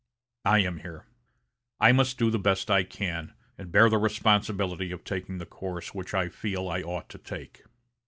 I am here; I must do the best I can, and bear the responsibility of taking the course which I feel I ought to take."